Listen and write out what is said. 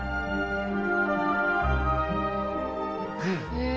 へえ。